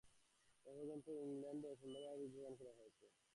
এ পর্যন্ত দেখছ, ইংলণ্ডে সুন্দরভাবে বীজ বপন করা হয়েছে।